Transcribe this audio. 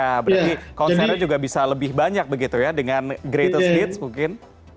nah berarti konsernya juga bisa lebih banyak begitu ya dengan greatus hits mungkin